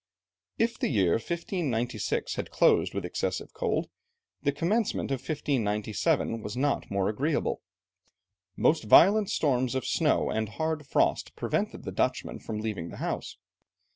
If the year 1596, had closed with excessive cold, the commencement of 1597 was not more agreeable. Most violent storms of snow, and hard frost prevented the Dutchmen from leaving the house.